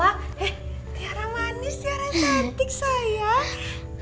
eh tiara manis tiara cantik sayang